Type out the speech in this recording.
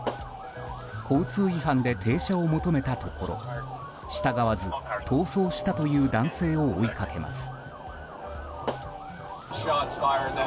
交通違反で停車を求めたところ従わず逃走したという男性を追いかけます。